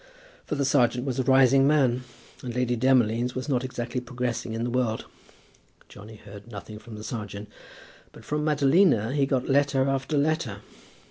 For the serjeant was a rising man, and Lady Demolines was not exactly progressing in the world. Johnny heard nothing from the serjeant; but from Madalina he got letter after letter.